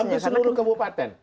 hampir seluruh kabupaten